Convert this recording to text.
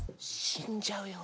「死んじゃうよ」。